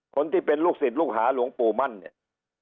คนที่เป็นลูกศิษย์ลูกหาหลวงปู่มั่นเนี่ย